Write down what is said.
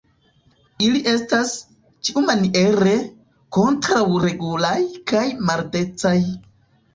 Ili estas, ĉiumaniere, kontraŭregulaj kaj maldecaj.